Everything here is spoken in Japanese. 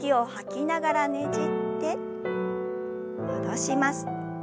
戻します。